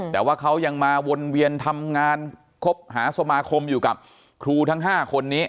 แต่ว่าเขายังมาวนเวียนทำงานคบหาสมาคมอยู่กับครูทั้ง๕คนนี้